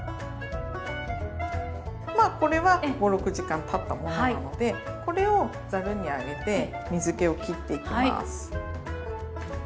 まあこれは５６時間たったものなのでこれをざるに上げて水けをきっていきます。